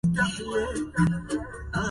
اسقني إن سقيتني بالكبير